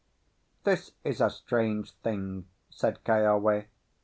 "This is a strange thing," said Keawe.